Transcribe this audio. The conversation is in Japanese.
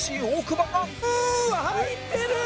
うーわ入ってる！